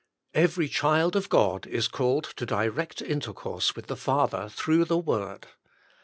Every child of God is called to direct intercourse with the Father, through the Word.